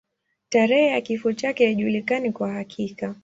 Tarehe ya kifo chake haijulikani kwa uhakika.